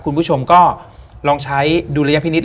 คุณผู้ชมก็ลองใช้ดุลยพินิษฐ